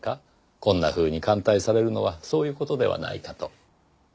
こんなふうに歓待されるのはそういう事ではないかと。